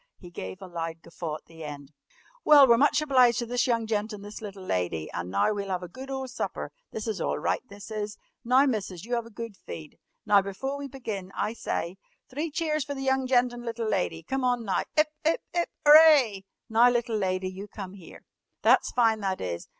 He gave a loud guffaw at the end. "Well, we're much obliged to this young gent and this little lady, and now we'll 'ave a good ole supper. This is all right, this is! Now, Missus, you 'ave a good feed. Now, 'fore we begin, I sye three cheers fer the young gent and little lady. Come on, now, 'Ip, 'ip, 'ip, 'ooray! Now, little lady, you come 'ere. That's fine, that is!